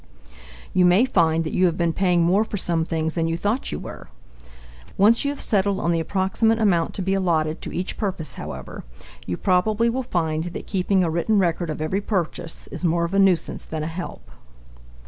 You may find that you have been paying more for some things than you thought you were. Once you have settled on the approximate amount to be allotted to each purpose, however, you probably will find that keeping a written record of every purchase is more of a nuisance than a help.